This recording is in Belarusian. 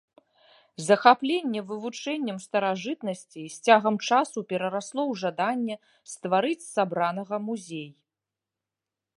Захапленне вывучэннем старажытнасцей з цягам часу перарасло ў жаданне стварыць з сабранага музей.